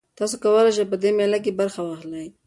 تاسي کولای شئ په دې مېله کې برخه واخلئ.